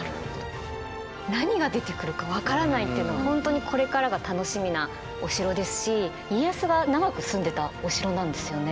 何が出てくるかわからないというの本当にこれからが楽しみなお城ですし家康は長く住んでたお城なんですよね。